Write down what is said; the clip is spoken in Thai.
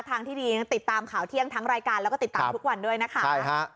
ทางที่ดีติดตามข่าวเที่ยงทั้งรายการแล้วก็ติดตามทุกวันด้วยนะคะ